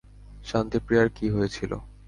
শান্তি প্রীয়ার কি হয়েছিল?